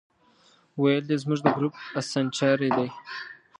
ویل یې زموږ د ګروپ اسانچاری دی.